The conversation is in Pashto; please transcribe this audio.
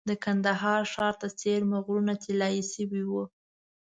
د کندهار ښار ته څېرمه غرونه طلایي شوي وو.